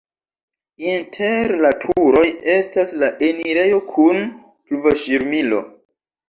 Inter la turoj estas la enirejo kun pluvoŝirmilo.